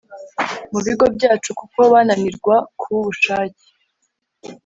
mu bigo byacu kuko bananirwa ku bushake